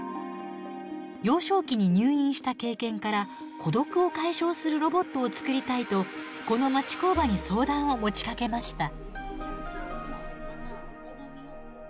幼少期に入院した経験から孤独を解消するロボットを作りたいとこの町工場に相談を持ちかけました。